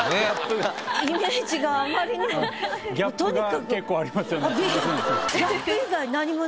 イメージがあまりにも。